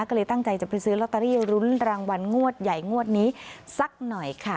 ก็เลยตั้งใจจะไปซื้อลอตเตอรี่รุ้นรางวัลงวดใหญ่งวดนี้สักหน่อยค่ะ